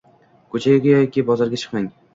Ko'chaga yoki bozorga chiqmang